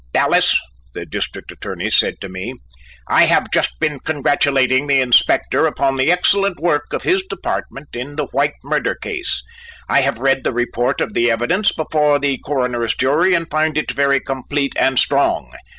"Dallas," the District Attorney said to me, "I have just been congratulating the Inspector upon the excellent work of his department in the White murder case. I have read the report of the evidence before the Coroner's jury and find it very complete and strong.